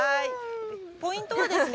ポイントはですね